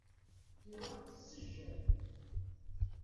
Tira tessejjay.